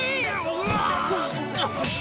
「うわ！」